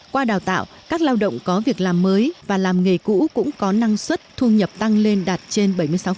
qua đào tạo các lao động có việc làm mới và làm nghề cũ cũng có năng suất thu nhập tăng lên đạt trên bảy mươi sáu